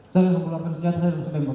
saya keluarkan senjata saya langsung tembak